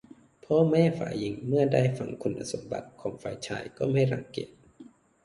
พ่อแม่ฝ่ายหญิงเมื่อได้ฟังคุณสมบัติของฝ่ายชายก็ไม่รังเกียจ